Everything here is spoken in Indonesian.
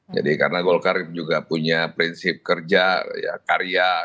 jadi karena golkar juga punya prinsip kerja karya